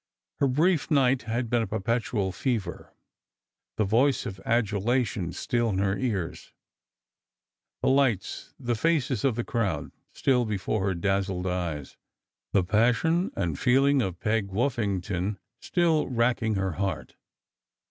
Her brief night had been a perpetual fever ; the voice of adulation still in her ears; the lights, the faces of the crowd, still before her dazzled eyes ; the passion and feeling of Peg Woffington still racking her heart.